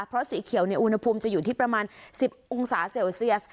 เพราะสีเขียวอุณหภูมิจะอยู่ที่ประมาณ๑๐องศาเซลเซียส